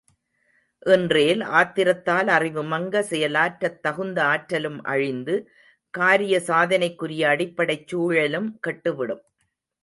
இன்றேல் ஆத்திரத்தால் அறிவு மங்க செயலாற்றத் தகுந்த ஆற்றலும் அழிந்து காரிய சாதனைக்குரிய அடிப் படைச் சூழலும் கெட்டுவிடும்.